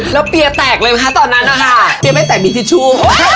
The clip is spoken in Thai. แล้วเปรียแตกเลยเลยฮะตอนนั้นอ่ะฮ่ะเตี้ยไม่แต่มีทิชชู